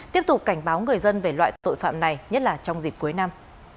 tiếp tục cảnh báo người dân về loại tội phạm này nhất là trong dịp cuối năm